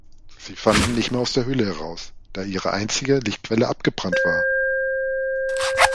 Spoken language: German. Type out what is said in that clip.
Sie fanden nicht mehr aus der Höhle heraus, da ihre einzige Lichtquelle abgebrannt war.